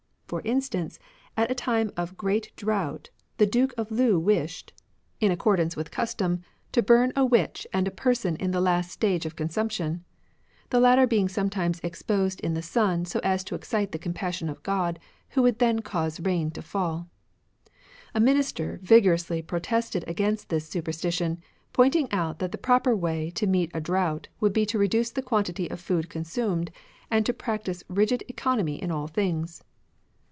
For instance, at a time of great drought the Duke of Lu wished, 37 RELIGIONS OF ANCIENT CHINA in accordance with custom, to bum a witch and a person in the last stage of consumption ; the latter being sometimes exposed in the sun so as to excite the compassion of God, who would then cause rain to fall. A Minister vigorously pro tested against this superstition, pointing out that the proper way to meet a drought would be to reduce the quantity of food consumed, and to practise rigid economy in all things.